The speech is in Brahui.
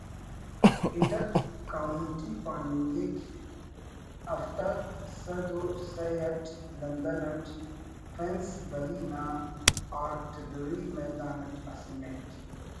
انٹر کاؤنٹی پاننگک ہفتاد سد و سہ اٹ لندن اٹ فنس بری نا آرٹلری میدان اٹ اسہ میچ